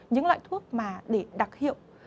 những loại thuốc mà để đặc hiệu